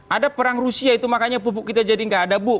ada perang rusia itu makanya pupuk kita jadi nggak ada bu